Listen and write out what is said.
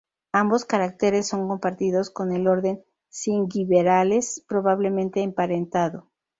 Ambos caracteres son compartidos con el orden Zingiberales, probablemente emparentado.